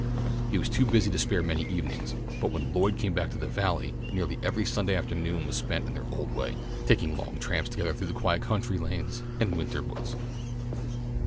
He was too busy to spare many evenings, but when Lloyd came back to the Valley, nearly every Sunday afternoon was spent in their old way, taking long tramps together through the quiet country lanes and winter woods.